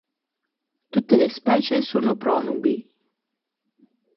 Tutte le specie sono pronubi.